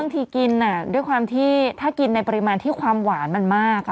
ทำที่ถ้ากินในปริมาณที่ความหวานมันมาก